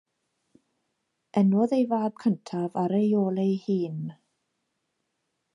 Enwodd ei fab cyntaf ei ôl ei hun.